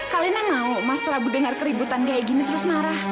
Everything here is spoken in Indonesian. kalina mau mas pelabun dengar keributan kayak gini terus marah